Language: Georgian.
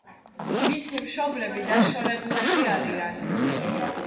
მისი მშობლები დაშორებულები არიან.